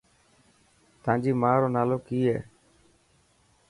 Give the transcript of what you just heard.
تانجي ماءُ رو نالو ڪي هي.